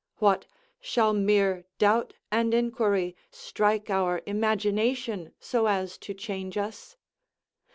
What, shall mere doubt and inquiry strike our imagination, so as to change us?